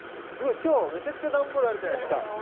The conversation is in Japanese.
今日めちゃくちゃ段ボールあるじゃないですか！